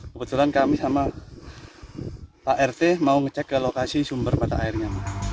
kebetulan kami sama pak rt mau ngecek ke lokasi sumber mata airnya